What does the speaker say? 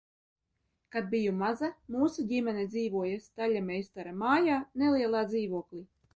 Kad biju maza, mūsu ģimene dzīvoja muižas staļļmeistara mājā, nelielā dzīvoklī.